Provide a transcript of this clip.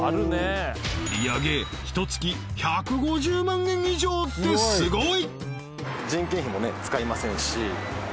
売り上げひと月１５０万円以上ってすごい！